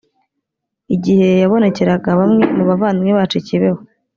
igihe yabonekeraga bamwe mu bavandimwe bacu I Kibeho